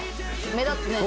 目立つね。